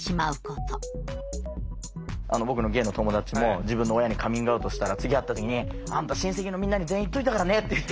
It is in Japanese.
僕のゲイの友達も自分の親にカミングアウトしたら次会った時に「あんた親戚のみんなに全員言っといたからね」って言って。